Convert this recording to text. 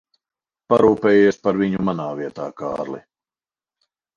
Parūpējies par viņu manā vietā, Kārli.